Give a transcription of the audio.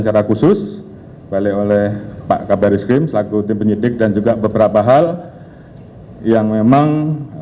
secara khusus oleh pak kabar eskrim selaku tim penyidik dan juga beberapa hal yang memang